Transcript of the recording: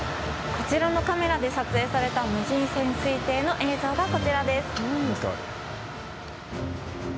こちらのカメラで撮影された無人潜水艇の映像がこちらです。